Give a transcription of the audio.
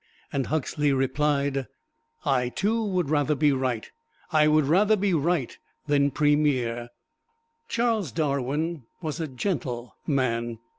And Huxley replied, "I, too, would rather be right I would rather be right than Premier." Charles Darwin was a Gentle Man.